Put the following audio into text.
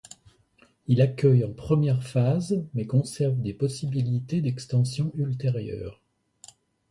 Il accueille en première phase mais conserve des possibilités d'extension ultérieure.